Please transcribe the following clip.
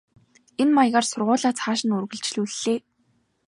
Энэ маягаар сургуулиа цааш нь үргэлжлүүллээ.